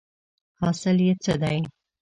حاصل یې څه دی ؟